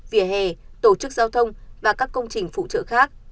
vỉa hè tổ chức giao thông và các công trình phụ trợ khác